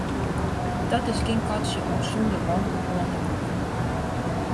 Dat is gjin katsje om sûnder wanten oan te pakken.